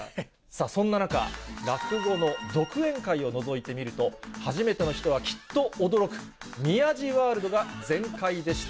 そんな中、落語の独演会をのぞいてみると、初めての人は、きっと驚く、宮治ワールドが全開でした。